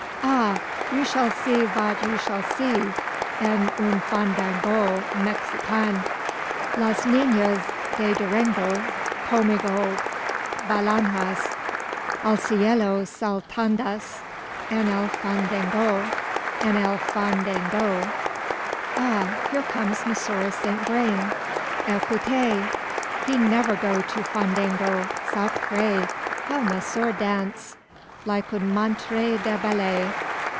Ah! you sall see vat you sall see en un fandango Mexicaine. "`Las ninas de Durango Commigo bailandas, Al cielo saltandas, En el fandango en el fan dang o.' "Ah! here comes Monsieur Saint Vrain. Ecoutez! He never go to fandango. Sacre! how monsieur dance! like un maitre de ballet.